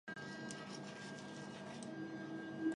其孢子印呈白色。